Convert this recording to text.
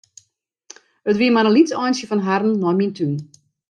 It wie mar in lyts eintsje fan harren nei myn tún.